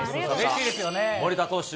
森田投手